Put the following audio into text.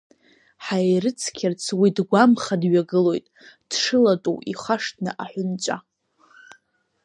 Ҳаирыцқьарц уи дгәамха дҩагылоит, дшылатәоу ихашҭны аҳәынҵәа.